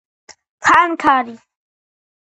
ფანქარი